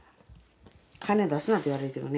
金出すなって言われるけどね